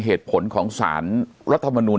เหตุผลของสารรัฐมนูล